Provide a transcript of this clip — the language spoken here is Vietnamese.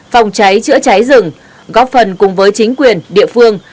phòng cháy chữa cháy rừng góp phần cùng với chính quyền địa phương